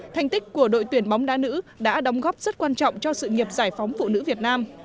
thành tích của đội tuyển bóng đá nữ đã đóng góp rất quan trọng cho sự nghiệp giải phóng phụ nữ việt nam